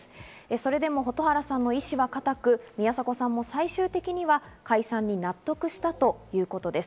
それでも蛍原さんの意思は固く宮迫さんも最終的には解散に納得したということです。